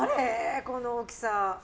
この大きさ。